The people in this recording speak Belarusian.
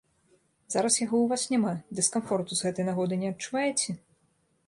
Зараз яго ў вас няма, дыскамфорту з гэтай нагоды не адчуваеце?